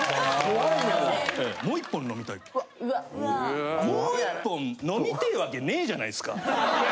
・うわ・もう１本飲みてえ訳ねえじゃないですか。